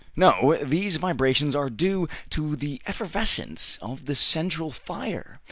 No; these vibrations are due to the effervescence of the central fire.